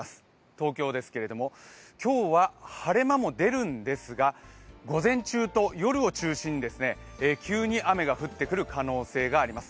東京ですけれども、今日は晴れ間も出るんですが午前中と夜を中心に、急に雨が降ってくる可能性があります。